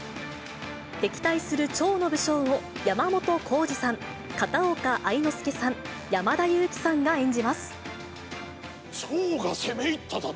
敵対する趙の武将を山本耕史さん、片岡愛之助さん、山田裕貴さんが趙が攻め入っただと？